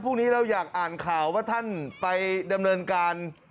พรุ่งนี้เราอยากอ่านข่าวว่าท่านไปดำเนินการ